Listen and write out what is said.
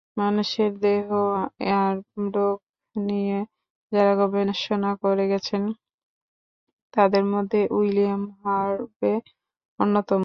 মানুষের দেহ আর রোগ নিয়ে যাঁরা গবেষণা করে গেছেন তাদের মধ্যে উইলিয়াম হার্ভে অন্যতম।